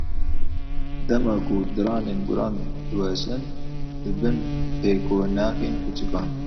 Dema ku diranên guran diweşin, dibin pêkenokên kûçikan.